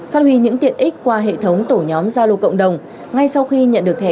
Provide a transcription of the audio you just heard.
phát huy những tiện ích qua hệ thống tổ nhóm gia lô cộng đồng ngay sau khi nhận được thẻ